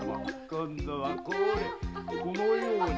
今度はこのように。